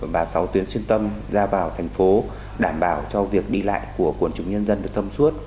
và sáu tuyến xuyên tâm ra vào thành phố đảm bảo cho việc đi lại của cộng trực nhân dân được thâm suốt